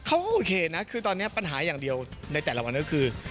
โอเคนะคือตอนนี้ปัญหาอย่างเดียวในแต่ละวันก็คือ